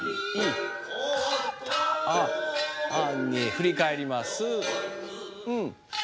振り返ります。